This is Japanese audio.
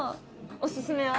おすすめは？